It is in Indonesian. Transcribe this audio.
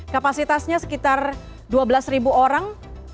kapasitasnya sekitar dua belas orang